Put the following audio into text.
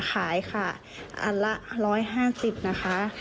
ขายค่ะอันละ๑๕๐นะคะ